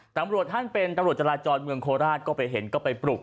ตำรวจท่านเป็นตำรวจจราจรเมืองโคราชก็ไปเห็นก็ไปปลุก